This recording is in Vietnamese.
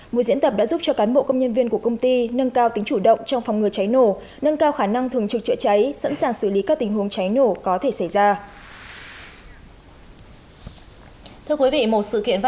buổi diễn tập đã giúp cho cán bộ công nhân viên của công ty nâng cao tính chủ động trong phòng ngừa cháy nổ nâng cao khả năng thường trực chữa cháy sẵn sàng xử lý các tình huống cháy nổ có thể xảy ra